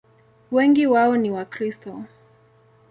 Wengi wao ni Wakristo.